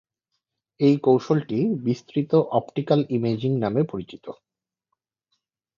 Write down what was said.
এই কৌশলটি বিস্তৃত অপটিক্যাল ইমেজিং নামে পরিচিত।